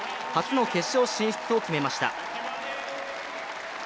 初の決勝進出を決めました。